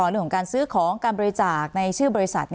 เรื่องของการซื้อของการบริจาคในชื่อบริษัท